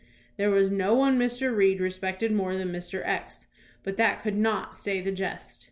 There was no one Mr. Reed respected more than Mr. X, but that could not stay the jest.